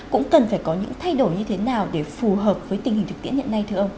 cũng cần phải có những thay đổi như thế nào để phù hợp với tình hình thực tiễn hiện nay thưa ông